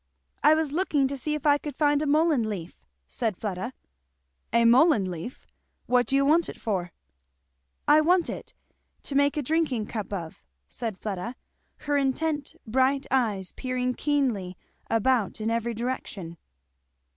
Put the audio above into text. "I was looking to see if I could find a mullein leaf," said Fleda. "A mullein leaf? what do you want it for?" "I want it to make a drinking cup of," said Fleda, her intent bright eyes peering keenly about in every direction.